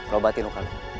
lo batin rukanya